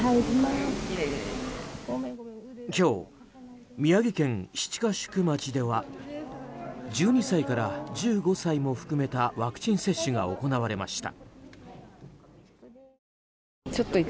今日、宮城県七ヶ宿町では１２歳から１５歳も含めたワクチン接種が行われました。